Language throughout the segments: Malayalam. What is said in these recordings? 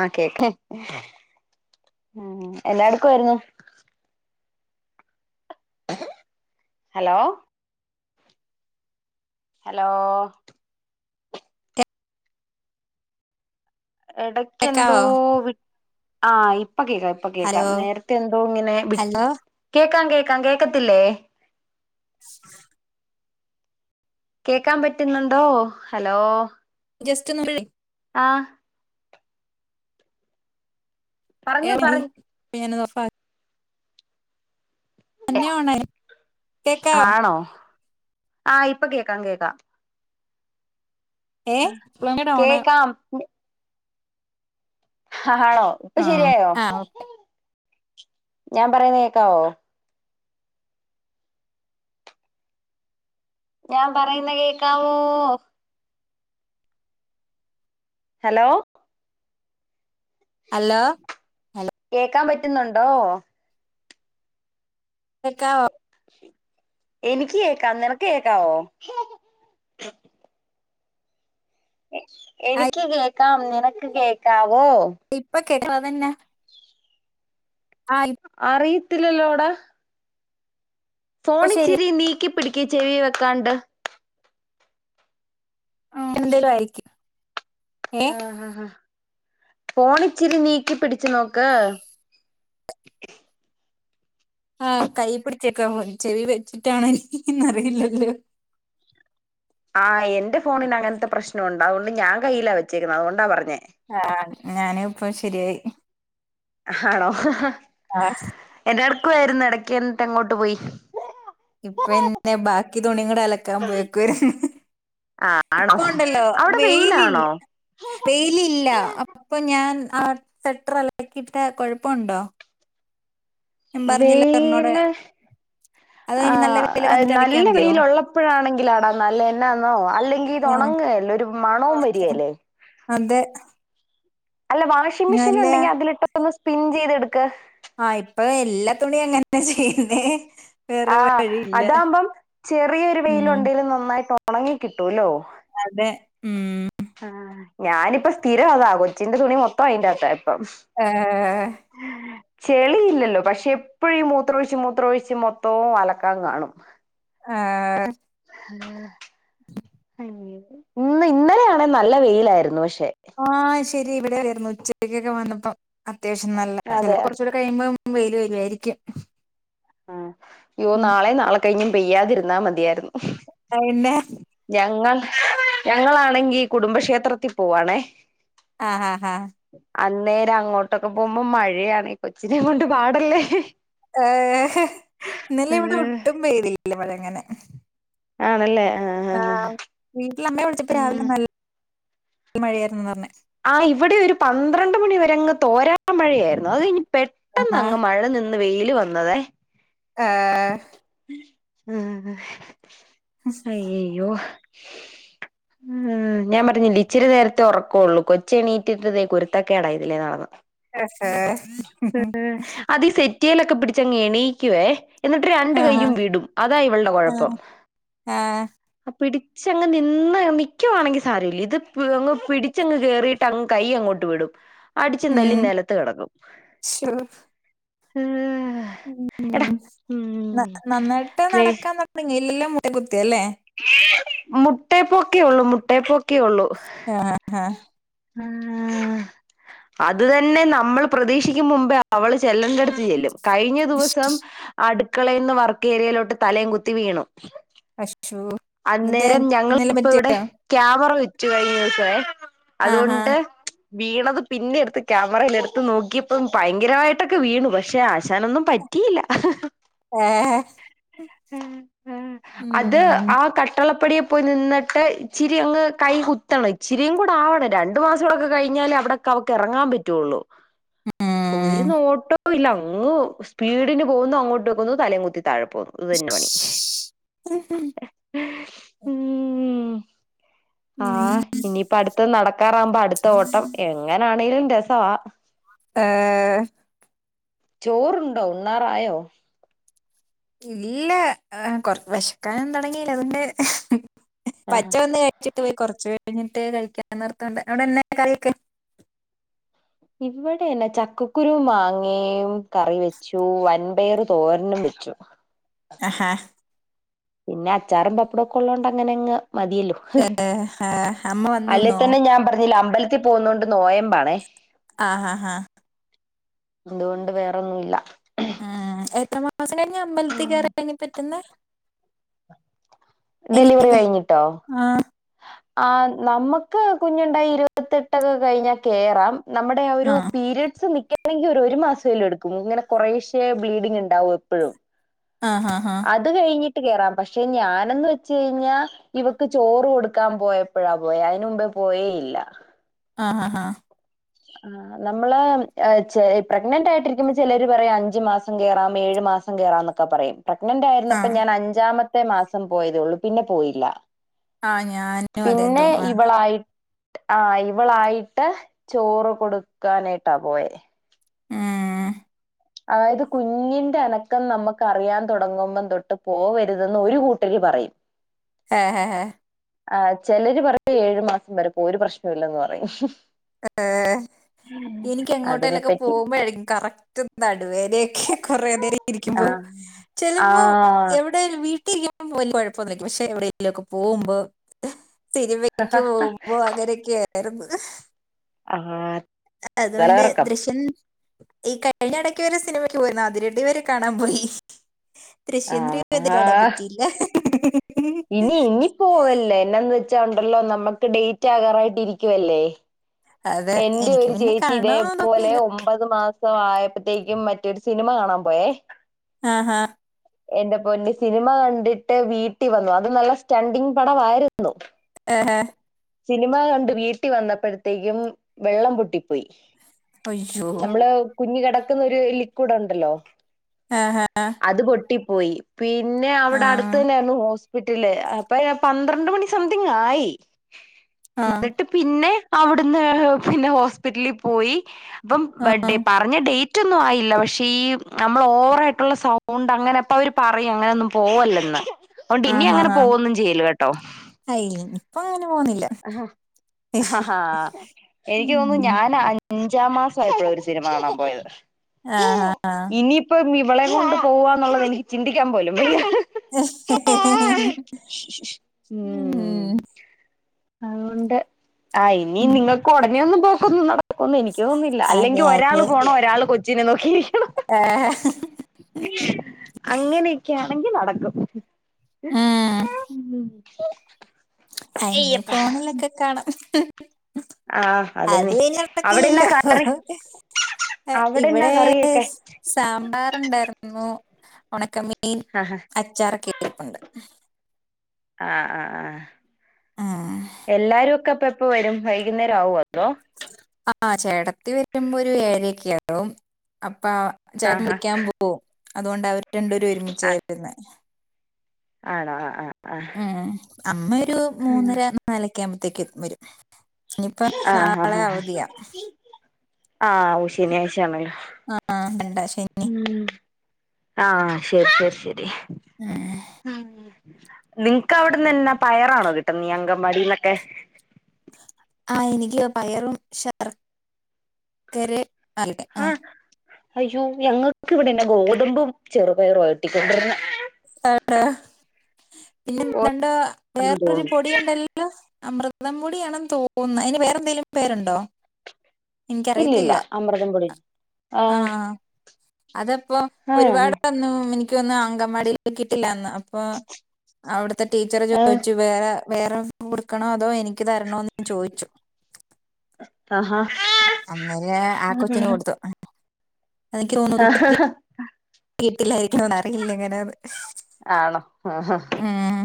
ആഹ് കേക്ക് ഉം എന്നയെടുക്കുവാർന്നു ഹലോ ഹലോ ഇടക്ക് എന്തോ കേക്കാവോ വി ആഹ് ഇ പ്പ കേക്കാം ഇപ്പ ഹലോ കേക്കാം നേരത്തെ എന്തോ ഇങ്ങനെ വിട് ഹലോ കേക്കാം കേ ക്കാൻ കേക്കത്തില്ലേ കേക്കാൻ പറ്റുന്നുണ്ടോ ഹലോ ജസ്റ്റ് നമ്മൾ ആഹ ഏ പറഞ്ഞോ പറ [inaudible] തന്നെയോണ കേക്കാവോ ആണോ ആഹ് ഇപ്പൊ കേക്കാം കേക്കാം ഏ പ്ലങ്കട ഓണ കേക്കാം ആ ആണോ ഇപ്പൊ ആ ശെരിയോ ആ ഞാൻ പറയുന്ന കേക്കാവോ ഞാൻ പറയുന്ന കേക്കാവോ ഹലോ ഹലോ ഹലോ കേക്കാൻ പറ്റുന്നുണ്ടോ കേക്കാവോ എനിക്ക് കേക്കാം നിനക്ക് കേക്കാവോ ആ എനിക്ക് കേക്കാം നിനക്ക് കേക്കാവോ കേട്ട അതന്നെ ആ അറിയത്തില്ല ലോടാ ഇപ്പൊ ശരി ഫോണിച്ചിരി നീക്കിപ്പിടിക്കി ചെവി വെക്കാണ്ട് എന്തേലും ആയിക്കും ആഹ ആഹ് ആഹ പോണിച്ചിരി നീക്കി പിടിച്ചു നോക്ക് ആഹ് കയ്യി പിടിച്ചേക്കാപ്പൊ ചെവി വെച്ചിട്ടാണന്നറിയില്ലല്ലോ ആഹ് എന്റെ ഫോണിന് അങ്ങൻത്തെ പ്രശ്നമുണ്ട് അതുകൊണ്ട് ഞാൻ കയ്യിലാ വെച്ചേക്കുന്നത് അതുകൊണ്ടാ പറഞ്ഞേ ആഹ് ഞാന്പ്പൊ ശരിയായി ആണോ ആ എന്താട്ക്കായിരുന്നു ഇടക്ക് എന്നിട്ട് എങ്ങോട്ട് പോയി? ഇപ്പന്നെ ബാക്കി തുണി കൂടെ അലക്കാൻ പോയേക്കുവാർന്ന് ആഹ് ആണോ ഇപ്പൊ ഉണ്ടല്ലോ അവിടെ വെയിലി വെയിലാണോ വെയിലില്ല അപ്പൊ ഞാൻ ആ സ്വട്ടറലക്കിട്ട കുഴപ്പണ്ടോ വെയില് അതോ ആ ഇനി നല്ല വെയില് വന്നിട്ട് അലക്കിയാ നല്ല മതിയോ വെയിലുള്ളപ്പോഴാണെങ്കിലാടാ നല്ലന്നാന്നോ അല്ലെങ്കിൽ ഇത് ആഹ് അങ്ങനല്ല ഒരു മണവും വരികേല്ലേ അതെ അല്ല വാഷിംഗ് മെഷീൻ ഞാനല്ല ഉണ്ടെങ്കിൽ അതിലിട്ട് ഒന്ന് സ്പിൻ ചെയ്തെടുക്ക് ആഹ് ഇപ്പൊ എല്ലാ തുണിയും അങ്ങനന്നെ ചെയ്യുന്നേ വേറെ ആഹ് വഴിയില്ല അതാവുമ്പം ചെറിയൊരു ഉം വെയിലുണ്ടേലും നന്നായിട്ട് ഉണങ്ങി കിട്ടൂല്ലോ അതെ ഉം ആഹ് ഞാനിപ്പ സ്ഥിരം അതാ കൊച്ചിന്റെ തുണി മൊത്തം അയിന്റെ അകത്താ ഇപ്പം ഏഹ് ചെളിയില്ലല്ലോ പക്ഷെ എപ്പഴീ മൂത്ര ഒഴിച്ച് മൂത്ര ഒഴിച്ച് മൊത്തവും അലക്കാൻ കാണും ആ ആഹ് ഇന്ന് ഇന്നലെയാണേൽ നല്ല വെയിലായിരുന്നു പക്ഷെ ആഹ് ശരി ഇവിടെ ആയിരുന്നു ഉച്ചക്കൊക്കെ വന്നപ്പോ അത്യാവശ്യം നല്ല അതെ ചിലപ്പോ ആഹ് കുറച്ചുകൂടി കഴിയുമ്പോ വെയില് വരുവായിരിക്കും ആ യ്യോ ഉം നാളേം നാളെ കഴിഞ്ഞും പെയ്യാതിരുന്നാ മതിയായിരുന്നു ആ എന്നാ? ഞങ്ങൾ ഞങ്ങളാണെങ്കി കുടുംബക്ഷേത്രത്തിൽ പോവാണേ ആഹ് ആഹ് ആഹ് അന്നേരം അങ്ങോട്ടൊക്കെ പോകുമ്പോ മഴയാണേ കൊച്ചിനേം കൊണ്ട് പാടല്ലേ ഏ ന്നലെ ഇവിടെ ഉം ഒട്ടും പേയ്തില്ല മഴങ്ങനെ ആണല്ലേ ആഹ് ആ ആഹ് വീട്ടില് അമ്മെ വിളിച്ചപ്പോ രാവിലെ ആഹ് നല്ല മഴയായിരുന്നുന്നാ പറഞ്ഞെ ആ ഇവിടെ ഒരു പന്ത്രണ്ട് മണി വരെ അങ്ങ് തോരാത്ത മഴയായിരുന്നു അത് കഴിഞ്ഞ് ആഹാ പെട്ടെന്നങ്ങ് മഴ നിന്ന് വെയില് വന്നതേ ആഹ് ആഹ് അയ്യയ്യോ ഉം ഞാൻ പറഞ്ഞില്ലെ ഇച്ചിരി നേരത്തെ ഉറക്കുള്ളൂ കൊച്ചെണീട്ടിട്ട് ദേ കുരുത്തക്കേടാ ഇതിലേ നടന്ന അഹ് ആ അതീ സെറ്റിയിലൊക്കെ പിടിച്ചങ്ങ് എണീക്കുവേ എന്നിട്ട് രണ്ട്‌ ആഹാ കൈയും വിടും അതാ ഇവളുടെ കുഴപ്പം ആഹ് ആഹ് പിടിച്ചങ്ങ് നിന്ന് നിക്കുവാണെങ്കി സാരമില്ല ഇത് പ്പ് ങ് പിടിച്ചങ്ങ് കേയറിയിട്ടങ് കൈ അങ്ങോട്ട് വിടും അടിച്ചും തല്ലി നിലത്ത് കിടക്കും ശ്ശൊ ഉം ഉം എടാ നന്നായിട്ട് വേ നടക്കാൻ തുടങ്ങില്ലല്ലോ മു കുത്തി അല്ലേ മുട്ടേ പൊക്കി ഉള്ളൂ മുട്ടേ പൊക്കി ഉള്ളൂ ആഹ് ഹാ അത് തന്നെ നമ്മൾ പ്രതീക്ഷിക്കും മുമ്പേ അവള് ചെല്ലണ്ടടുത്ത് ചെല്ലും കഴിഞ്ഞ ദിവസം അടുക്കളേന്ന് വർക്ക് ഏരിയയിലോട്ട് തലേയും കുത്തി വീണു അശ്ശോ എന്നിട്ട് അന്നേരം എന്തേലും ഞങ്ങളിപ്പ ഇവിടെ പറ്റിയോ? ക്യാമറ വെ വെച്ചുകഴിഞ്ഞേക്കുവാ ആഹാ അതുകൊണ്ട്. വീണത് പിന്നെടുത്ത് ക്യാമറയിൽ എടുത്ത് നോക്കിയപ്പം ഭയങ്കരമായിട്ടൊക്കെ വീണു പക്ഷെ ആശാനൊന്നും പറ്റ. ഏഹ. ഉം ഉം അത്. ഉം ആ കട്ടളപ്പടിയെ പോയി നിന്നട്ട് ഇച്ചിരി അങ്ങ് കൈ കുത്തണം ഇച്ചിരിയും കൂടെ ആവണം രണ്ടു മാസൊക്കെ. കഴിഞ്ഞല് അവിടൊക്ക അവക്ക് ഇറങ്ങാൻ പറ്റൊള്ളു. ഒരു നോട്ടോല്ല അങ്ങ് സ്പീഡന് പോകുന്നു അങ്ങോട്ട് പോകുന്നു തലേ കുത്തി. താഴെപോന്നു ഇതന്നെ പണി മ്മ്. ആഹ ഉം. ഇനിയിപ്പ അടുത്ത നടക്കാറാവമ്പോ അടുത്ത ഓട്ടം എങ്ങനാണേങ്കിലും രസ. ആ. ഏ. ചോറുണ്ടോ ഉണ്ണാറായോ. ഇല്ല കൊറ വെശക്കാനും തുടങ്ങീല്ല അതോണ്ട്. ആഹ് മച്ചവന്ന് കഴിച്ചിട്ട് പോയി കൊറച്ച് കഴിഞ്. ട്ട് കഴിക്കാൻ നിർത്തണ്ട് അവിടെന്ന കറിയൊക്കെ. ഇവിടെന്നെ ചക്കക്കുരു മാങ്ങയും കറി വെച്ചു വൻപയർ തോരനും വെ. ച്ചു. ഹഹ. പിന്നെ അച്ചാറും പപ്പടൊക്കെള്ളോണ്ട് അങ്ങനെ അങ്ങ്. മതിയല്ലോ ഏ, ആ, അമ്മ അല്ലേ വന്നുണോ തന്നെ ഞാൻ പറഞ്ഞില്ല അമ്പല. ത്ത്പോകുന്നൊണ്ട് നോയമ്പാണേ. ആഹ് ആഹ ആഹ. അതുകൊണ്ട് വേറൊന്നുല്ല. ആ എത്രമാസം കഴിഞ്ഞ അമ്പലത്തി കയറാൻ പറ്റുന്നെ. ഡെലിവറി എനിക്കൊക്കെ കഴിഞ്ഞിട്ടോ. ആ ആ നമുക്ക് കുഞ്ഞുണ്ടായി ഇരുപത്തെട്ടൊക്കെ കഴിഞ്ഞാ കേറാം. നമ്മുടെ ആ ഒരു പീരയഡ്സ് നിക്കാ. ല്ലെങ്കിൽ ഒരു മാസംലും എടുക്കും ഇങ്ങനെകൊറേശ്ശെ ബ്ലീഡിംഗ് ഉണ്ടാവും എപ്പോഴും. ആഹ് ഹഹ് ആഹ. കേറ പക്ഷെ ഞാന് ന്ന് വെച്ച് കഴിഞ്ഞ ഇവക്ക് ചോറ് കൊടു. ക്കാൻ പോയപ്പഴാ പോയെ അയിന്മുമ്പേ പോയില്ല. ആഹ് ആ നമ്മള് ചേ പ്രഗ്നന്റ് ആയിട്ടിരിക്കുമ്പോ ചിലര് പറയും അഞ്ചു മാസം കേയറാം ഏഴ്. മാസം കേറാന്നൊക്കെ പറയും പ്രഗ്നന്റ് ഹാ ആ ആയിുന്നപ്പോ ഞാൻ അഞ്ചാമത്തെ മാസം പോയതേള്ളു പിന്നെ പോയില്ല. ആഹ് ഞാനും അതേ തോന്നു. ആഹ് ഇവളായിട്ട് ചോറ് കൊടുക്കാനായിട്ടാപോയ. ആഹ്. അതായത് കുഞ്ഞിന്റെ അനക്കം നമുക്ക് അറിയാൻ തുടങ്ങുമ്പം തൊട്ട് പോവരുതെന്ന് ഒരു കൂട്ടര്. പറയും. ഹേ ഹേ. ആ ചിലര് പറയും ഏഴുമാസം വരെപ്പോവാ ഒരു പ്രശ്നംല്ലന്ന് പറയും. ഏ. ഉം. എനിക്ക് എങ്ങോട്ടേലൊക്കെ പോകുമ്പോഴെരിക്കും കറക്റ്റ് നടുവേലൊക്കെ കൊറെേ നേരം ആ ഇരിക്കുമ്പോ. ആ ചെലപ്പോ എവിടെലും വീട്ടിലിരി.. വലിയ കുഴപ്പമൊന്നുല പക്ഷെ എവിടേലോക്കെ പോവമ്പോ. സിനിമക്കപോകുമ്പോ അകനൊക്കെയായിരുന്നു. ആഹ്. അതുകൊണ്ട് ദൃശ്യം. ഈ കഴിഞ്ഞ ഇടക്ക് വരെ സിനിമയ്ക്ക് പോയിരുന്നു അതിരടി വരെ കാണാൻ പോയി. ദൃശ്യം ത്രീ വന്ന് ആഹാ കാണാൻ പറ്റിയില്ല. ഇനി ഇനി പോവല്ലേ എന്നാന്ന് വെച്ച ഉണ്ടല്ലോ നമ്മക്ക് ഡേറ്റ് ആകാറായിട്ട് ഇരിക്കുവല്ലേ? അതെ എന്റെ എനിക്ക് ഒരു പിന്നെ ചേച്ചി കാണാൻ ഇതേപോലെ തോന്നിയില്ല ഒമ്പത് മാസ് ആയപ്പോത്തേക്കും മറ്റൊരു സിനിമ കാണാൻ പോയേ ആഹ് എന്റെ പൊന് സിനിമ കണ്ടിട്ട് വീട്ടിൽ വന്നു അത് നല്ല സ്റ്റണ്ടിങ് പടവായിരുന്നു. ഏ സിനിമ കണ്ട് വീട്ടിൽ വന്നപ്പോഴ് ത്തേക്കും വെള്ളം പൊട്ടിപ്പോയി. അയ്യോ നമ്മള് കുഞ് കെടക്കുന്ന ഒരു ലിക്യുട് ഇണ്ടല്ലോ? ആഹ് പോയി പിന്നെ അവിടെ അടുത്ത് തെ ന്നെയായിരുന്നു ഹോസ് വിട്ടില്ലേ അപ്പെ പന്ത്രണ്ട് മണി സംതിങ് ആയി ആ ന്നിട്ട് പിന്നെ അവിടുന്ന് പിന്നെ ഹോസ്പിറ്റലിൽ പോയി അപ്പം ആ ബെടെ പറഞ്ഞ ഡേറ്റ് റ്റൊന്നും ആയില്ല പക്ഷേ ഈ നമ്മൾ ഓവറ് ആയിട്ടുള്ള സൗണ്ട് അങ്ങനെ അപ്പ അവര് പറയും അങ്ങനെയൊന്നും പോവല്ലെന്ന്. ഒണ്ട് ഇനി ആഹാ അങ്ങനെ പോവൊന്നും ചെയ്ല്ല് കേട്ടോ. ആ ഇനിയിപ്പോ അങ്ങനെ പോകുന്നില്ല അഹാ എനിക്ക് തോന്നുന്നു ഉം. ഞാൻ അഞ്ചാം മാസം ആയപ്പോള ഒരു സിനിമ കാണാൻ പോയത്. ആ ആ ആ ഇവളേം കൊണ്ട് പോവാന്നുള്ളത് എനിക്ക് ചിന്തിക്കാൻ പോലും വയ്യ. ആഹാ ഉം അഹൊണ്ട് ആ ഇനി ഉം നിങ്ങൾക്ക് ഉടനെയൊന്നും പോക്കൊന്നും നട ഒന്ന് എനിക്കൊന്ന്നില്ല അതെ അല്ലെങ്കിൽ ഒരാള് അതെ പോണം ഒരാള് കൊചിനെ നോക്കി അങ്ങനെയൊക്കൊയാണെങ്കിൽ നടക്കും. [inaudible] അയ്ഞ്ഞി അയ്യപ്പ ഫോണിലൊക്കെ കാണാം. ആഹ് അതെ അത് നീ പിന്നെ അവിടെന്നാ നടക്കിലല്ലോ? കറി എ അവിടെന്നാ ഇവെടെ കറിയൊക്കെ സാമ്പാറ് ഉണ്ടായിരുന്നു. ഒണക്കമീൻ ആഹ് അച്ചാറൊക്കെ ഇരിപ്പ്ണ്ട്. ആ ആ ആഹാ ഉം എല്ലാരും ഒക്കെ ഇപ്പ എപ്പോ വരും വൈകുന്നേരം ആവോ അതോ? ആ ചേട്ടത്തി വെരുമ്പോ ഒരു ഏയൊക്കെ ആകും. അ അപ്പ ചേട്ടൻ ആഹാ വിളിക്കാൻ പോകും അതുകൊണ്ട് അവര് രണ്ടു പേരും ആഹ് ഒരുമിച്ചാവെരുന്നേ. ആണോ ആ ആ മം അമ്മ ഒരു ആഹ് മൂന്നര നാലൊക്കെ ആവുമ്പത്തേക്ക് എ വരും. ഇഞ്ഞിപ്പോ ആഹ് നാളെ അവധിയാ ആവു ശനിയാഴ്ചയാണ്. ആഹ ഇണ്ടായി. മം ആ ശെരി ശെരി ശെരി. ഏ നിങ്ങക്ക് അവിടന്ന്ന്നെ പയറാണോ കിട്ടുന്നേ ഈ അഗംവാടീന്നൊക്കെ? ആ എനിക്ക് പയറും ശർക്കരെ ആ. ആഹ് അയ്യോ ഞങ്ങൾക്ക് ഇവിടെന്നെ ഗോതമ്പും ചെറുപയറുവാ കിട്ടിക്കൊണ്ടിരുന്നേ. ആണോ പിന്നെ ന്താണ്ടോ ആന്ന് വേറൊരു തോന്നുന്നു പൊടിയൊണ്ടല്ലോ? അമൃതം പൊടിയാണെന്ന് തോന്നുന്നു അയ്ൻ വേറെന്തെങ്കിലും പേരുണ്ടോ? ഇല്ലില്ല എനിക്കറിയത്തില്ല അമൃതം പൊടി അ ആ ആഹ് അതപ്പോ ആഹ് ഒരുപാട് ഒന്നും എനിക്കൊന്നും അങ്കൻവാടിയിൽ കിട്ടില്ലാന്ന്. അപ്പൊ അവിടുത്തെ ടീച്ചറ് ആഹ് ചോദിച്ചു വേറെ വേറെ കൊടുക്കണോ അതോ എനിക്ക് നിക്ക് തരണോന്ന് ചോയ്ച്ചു. ആഹാ അങ്ങനെ ആ കൊച്ചിനെ കൊട്ത്തു. അതെനിക്ക് തോന്നുന്നു യിരിക്കുംന്ന് അറിയില്ലങ്ങനന്ന് ആണോ ആ ഉം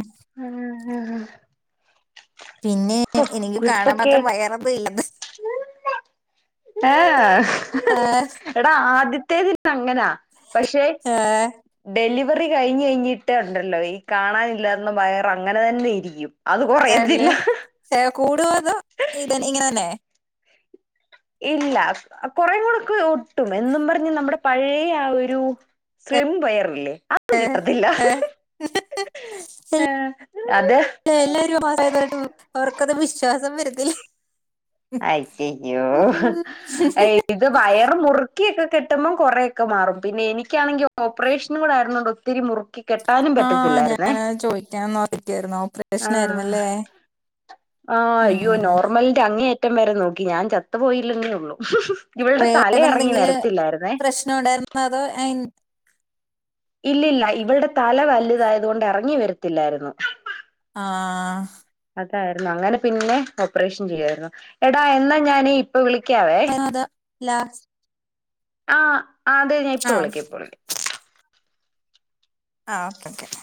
പിന്നെ എനിക്ക് കാണാൻ മാത്രം കുരുത്തക്കേട് വയറെന്നും ഇല്ലന്ന് ഏഹ ആഹ് എടാ ആദ്യത്തെതിൽ അങ്ങനാ പക്ഷെ ആഹ് ഡ ലിവറി കഴിഞ്ഞയ്ഞ് കഴിഞ്ഞിട്ട ഉണ്ടല്ലോ ഈ കാണാനില്ലാർന്ന വയർ അങ്ങനെ തന്നെ ഇരിക്കും അത് കൊറയത്തില്ല കൂടോ അത് ഇത ഇങ്ങനെല്ലെ ഇല്ല കുറെ കൂടെക്ക് ഒട്ടും എന്നും പറഞ്ഞ് നമ്മുടെ പഴയ ആ ഒരു സ്ലിം വയറല്ലേ അത് കിട്ടത്തില്ല ഏ അതെ ഇല്ല എല്ലാരും ആസായതായിട്ട് അവർക്കത് വിശ്വാസം വരത്തില്ല അയ്യയ്യോ ഇത് വയറ് മുറുക്കിയക്കെ കെട്ടുമ്പോം കുറേക്കെ മാറും പിന്നെ എനിക്കാണെങ്കിൽ ഓപ്പറേഷന കൂടെ ആരുന്നുണ്ട് ഒത്തിരി മുറു ആഹ ഞാൻ ചോദിക്കാട്ടായിരുന്ന ഓപ്പറേഷന ആഹ് ആയിരുന്നല്ലേ ആഹ് അയ്യോ ഉം നോർമലിന്റെ അങ്ങേയറ്റം വരെ നോക്കി ഞാൻ ചത്തു പോയില്ലന്നെ ഉള്ളു ഇവളുടെ തലയിറങ്ങി വേറെന്തെങ്കിലും വരത്തില്ലായിരുന്നേ പ്രശ്നം ഉണ്ടായിരുന്നോ അതോ അയിൻ- ഇല്ലല്ല ഇവളടെ തല വലുതായത കൊണ്ട് ഇറങ്ങി വരത്തില്ലായിരുന്നു ആഹ അതായിരുന്നു അങ്ങനെ പിന്നെ ഓപ്പറേഷൻ ചെയതായിരുന്നു എടാ എന്നാ ഞാൻ ഇപ്പ വിള [unintelligible] ലാസ് ആഹ അത ഞാൻ ഇപ്പൊ ആ വിളിക്ക ഇപ്പൊ വിളിക്ക ആഹ ഓക്കെ ഓക്കെ